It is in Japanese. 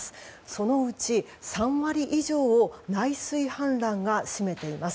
そのうち、３割以上を内水氾濫が占めています。